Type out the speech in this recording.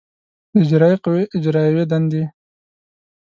د اجرایه قوې اجرایوې دندې